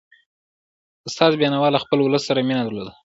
استاد بينوا له خپل ولس سره مینه درلودله.